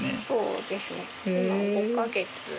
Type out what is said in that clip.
そうですね。